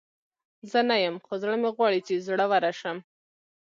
زه نه یم، خو زړه مې غواړي چې زړوره شم.